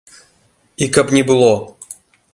І каб не было!